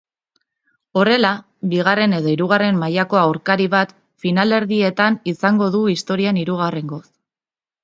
Horrela, bigarren edo hirugarren mailako aurkari bat finalerdietan izango du historian hirugarrengoz.